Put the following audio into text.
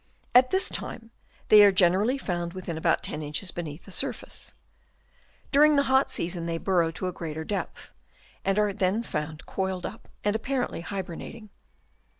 At this time they are generally found within about 10 inches beneath the surface. During the hot season they burrow to a greater depth, and are then found coiled up and apparently hybernating.